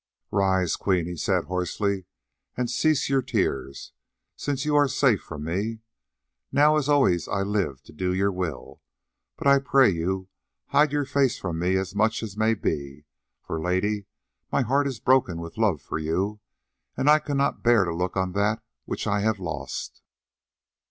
"Rise, Queen," he said hoarsely, "and cease your tears, since you are safe from me. Now as always I live to do your will, but I pray you, hide your face from me as much as may be, for, Lady, my heart is broken with love for you and I cannot bear to look on that which I have lost."